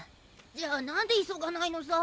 じゃあなんで急がないのさ。